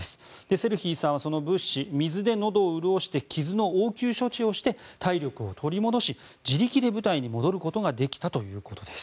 セルヒーさんはその物資水でのどを潤して傷の応急処置をして体力を取り戻し自力で部隊に戻ることができたということです。